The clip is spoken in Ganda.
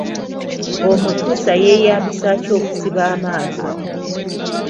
Omutuusa yeeyambisa ki okusiba amaato?